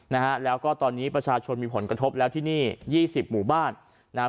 นะฮะแล้วก็ตอนนี้ประชาชนมีผลกระทบแล้วที่นี่ยี่สิบหมู่บ้านนะฮะ